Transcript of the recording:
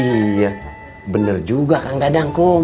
iya bener juga kang dadang kum